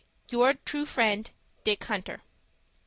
"Your true friend, "DICK HUNTER."